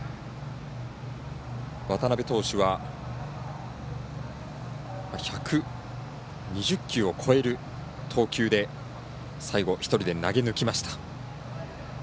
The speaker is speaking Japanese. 渡邊投手は１２０球を超える投球で最後、１人で投げぬきました。